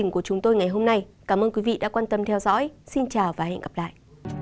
cảm ơn các bạn đã theo dõi và hẹn gặp lại